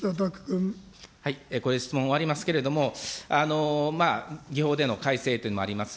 これで質問終わりますけれども、議法での改正というのもあります。